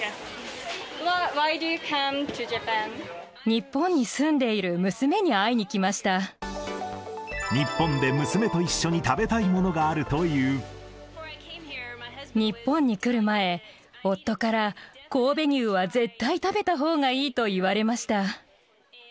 日本に住んでいる娘に会いに日本で娘と一緒に食べたいも日本に来る前、夫から、神戸牛は絶対食べたいほうがいいと言われました。